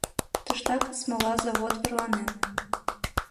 Тыштак смола завод верланен.